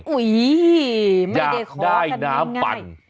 อุ้ยไม่ได้ขอกันน้ำง่าย